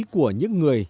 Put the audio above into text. của những người